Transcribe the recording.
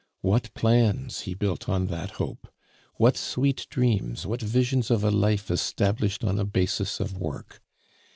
What plans he built on that hope! What sweet dreams, what visions of a life established on a basis of work!